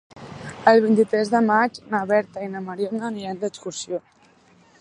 El vint-i-tres de maig na Berta i na Mariona aniran d'excursió.